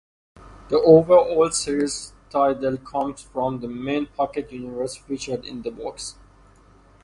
The overall series title comes from the main 'pocket universe' featured in the books.